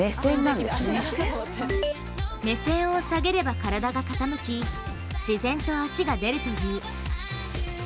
目線を下げれば体が傾き自然と足が出るという。